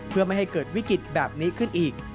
เพื่อไม่ให้เกิดวิกฤตแบบนี้ขึ้นอีก